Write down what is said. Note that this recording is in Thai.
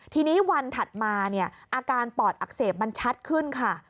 ทีนี้วันถัดมาอาการปอดอักเสบมันชัดขึ้นค่ะ